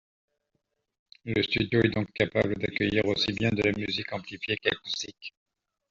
Le studio est donc capable d'accueillir aussi bien de la musique amplifiée qu'acoustique.